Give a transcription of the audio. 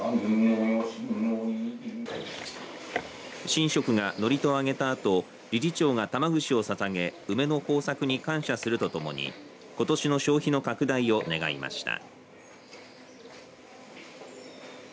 神職が祝詞をあげたあと理事長が玉串をささげ梅の豊作に感謝するとともにことしの消費の拡大を願いました。